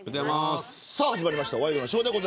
さあ始まりましたワイドナショーです。